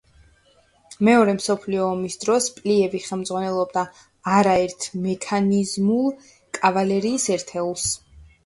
მეორე მსოფლიო ომის დროს პლიევი ხელმძღვანელობდა არაერთ მექანიზებულ კავალერიის ერთეულს.